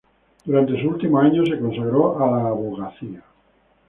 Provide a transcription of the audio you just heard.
Durante sus últimos años se consagró a la abogacía.